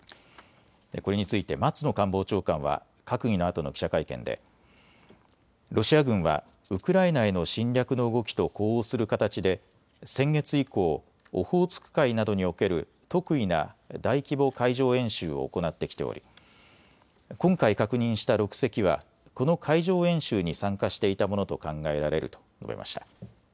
これについて松野官房長官は閣議のあとの記者会見でロシア軍はウクライナへの侵略の動きと呼応する形で先月以降、オホーツク海などにおける特異な大規模海上演習を行ってきており今回確認した６隻は、この海上演習に参加していたものと考えられると述べました。